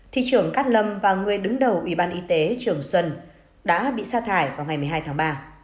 thị trưởng cát lâm và người đứng đầu ủy ban y tế trường xuân đã bị xa thải vào ngày một mươi hai tháng ba